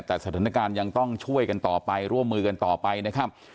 แต่สถานการณ์ยังต้องช่วยกันต่อไปร่วมมือกันต่อไปนะครับ